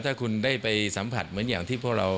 ถ้าคุณได้ไปสัมผัสเหมือนอย่างที่พวกเรา